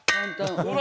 ほら！